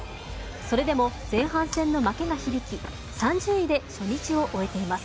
それでも前半戦の負けが響き３０位で初日を終えています。